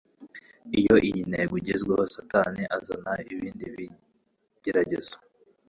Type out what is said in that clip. Iyo iyi ntego igezweho, Satani azana ibindi bigeragezo